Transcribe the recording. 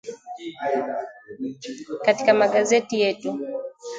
Katika magezeti yetu